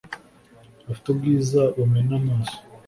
afite ubwiza bumena amaso